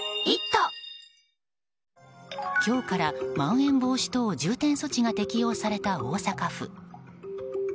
今日からまん延防止等重点措置が適用された大阪府。